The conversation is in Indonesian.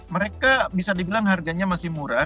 mereka bisa dibilang harganya masih murah